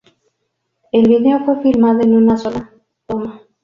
El video fue filmado en una sola toma.